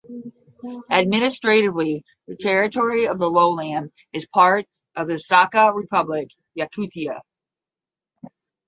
Administratively the territory of the lowland is part of the Sakha Republic (Yakutia).